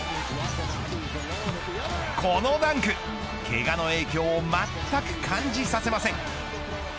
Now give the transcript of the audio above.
このダンクけがの影響をまったく感じさせません。